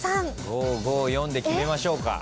５５４で決めましょう。